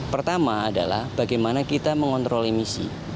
pertama adalah bagaimana kita mengontrol emisi